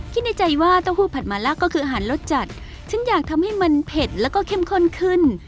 ในใจว่าเต้าหู้ผัดหมาล่าก็คืออาหารรสจัดฉันอยากทำให้มันเผ็ดแล้วก็เข้มข้นขึ้น